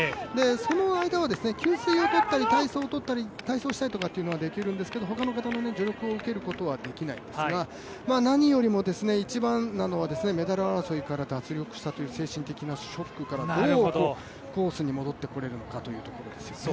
その間は、給水をとったり体操したりとかっていうのはできるんですけれども、ほかの方の助力を受けることは出来ないんですが何よりも一番なのはメダル争いから脱落したという精神的ショックからどうコースに戻ってこれるのかというところ。